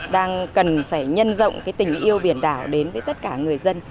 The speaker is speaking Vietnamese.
đang cần phải nhân rộng tình yêu biển đảo đến với tất cả người dân